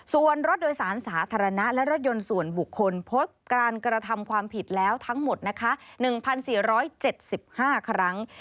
ส่วนรถโดยสารสาธารณะและรถยนต์ส่วนบุคคลพบการกระทำความผิดแล้วทั้งหมดนะคะ๑๔๗๕ครั้ง